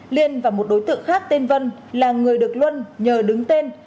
liên và một đối tượng khác tên vân là người được luân nhờ đứng tên